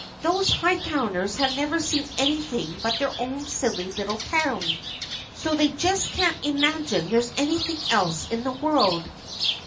Those Hightowners have never seen anything but their own silly little town, so they just can't imagine there's anything else in the world."